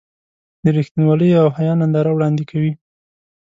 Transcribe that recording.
د رښتینولۍ او حیا ننداره وړاندې کوي.